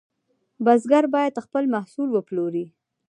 بزګر باید خپل محصول وپلوري.